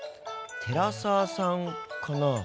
寺澤さんかな？